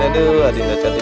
aduh aduh aduh